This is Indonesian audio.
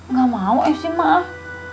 nggak mau esi mak